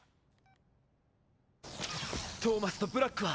トーマスとブラックは。